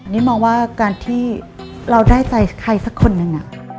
นี่มองว่าการที่เราได้ใจใครสักคนหนึ่ง